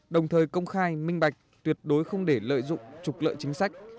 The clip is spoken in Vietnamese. đồng thời công khai minh bạch tuyệt đối không để lợi dụng trục lợi chính sách